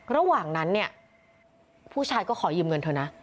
ระหว่างนั้นเนี่ยผู้ชายก็ขอยืมเงินเธอนะ